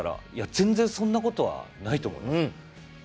全然そんなことはないと思います。